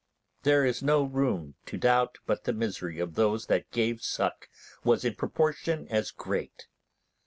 There is no room to doubt but the misery of those that gave suck was in proportion as great.